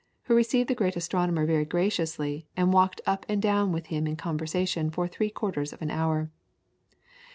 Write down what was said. who received the great astronomer very graciously, and walked up and down with him in conversation for three quarters of an hour.